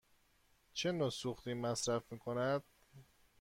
چه نوع سوختی مصرف می کند؟